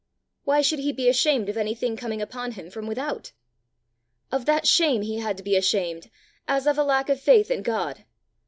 Why should he be ashamed of anything coming upon him from without? Of that shame he had to be ashamed, as of a lack of faith in God!